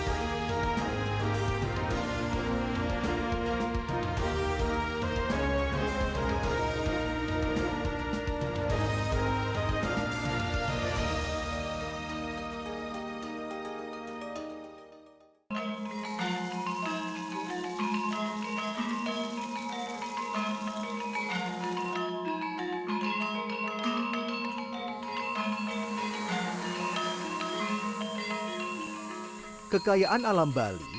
subak bali kekayaan alam bali